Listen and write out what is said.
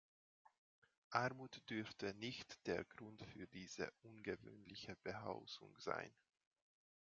Armut dürfte nicht der Grund für diese ungewöhnliche Behausung sein.